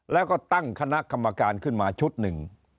แล้วก็ตั้งคณะกรรมการขึ้นมาชุดหนึ่ง